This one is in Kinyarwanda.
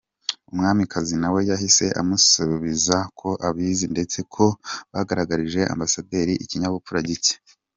Umwamikazi nawe yahise amusubiza ko abizi ndetse ko bagaragarije ambasaderi ikinyabupfura gike.